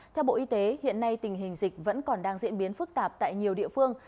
theo bộ y tế hiện nay tình hình dịch vẫn còn đang diễn biến phức tạp tại nhiều địa phương